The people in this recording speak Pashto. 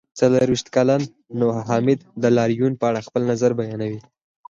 څلرویشت کلن نوحه حامد د لاریون په اړه خپل نظر بیانوي.